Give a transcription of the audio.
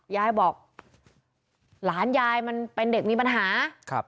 ยายบอกหลานยายมันเป็นเด็กมีปัญหาครับ